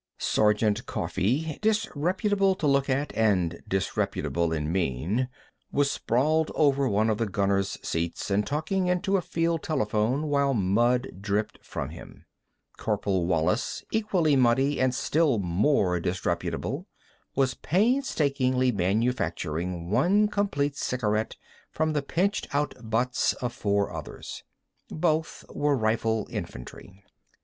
Sergeant Coffee, disreputable to look at and disrespectful of mien, was sprawling over one of the gunners' seats and talking into a field telephone while mud dripped from him. Corporal Wallis, equally muddy and still more disreputable, was painstakingly manufacturing one complete cigarette from the pinched out butts of four others. Both were rifle infantry.